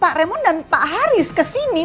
pak remon dan pak haris kesini